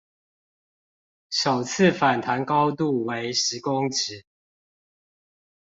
首次反彈高度為十公尺